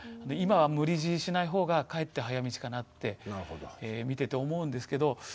今は無理強いしない方がかえって早道かなって見てて思うんですけど。